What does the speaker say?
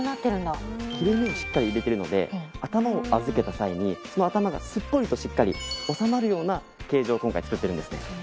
切れ目をしっかり入れてるので頭を預けた際にその頭がすっぽりとしっかり収まるような形状を今回作ってるんですね。